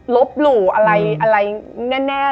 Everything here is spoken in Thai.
ลบหรูอะไรแน่เลย